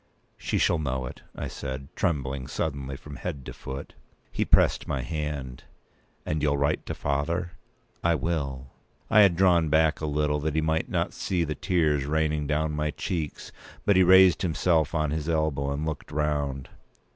"She shall know it," I said, trembling suddenly from head to foot. He pressed my hand. "And you'll write to father?" "I will." I had drawn a little back, that he might not see the tears raining down my cheeks; but he raised himself on his elbow, and looked round.